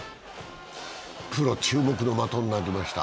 プロ注目の的になりました。